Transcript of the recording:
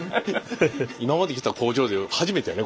今まで来た工場で初めてやね。